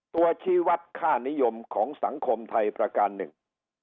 ชี้วัดค่านิยมของสังคมไทยประการหนึ่ง